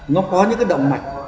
nó có những cái động mạch